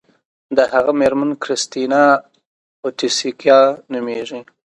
د هغه میرمن کریستینا اویتیسیکا نومیږي.